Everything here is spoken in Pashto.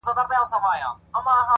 ته به په فکر وې، چي څنگه خرابيږي ژوند،